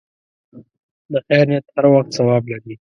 د خیر نیت هر وخت ثواب لري.